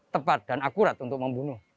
tepat dan akurat untuk membunuh